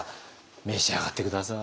召し上がって下さい。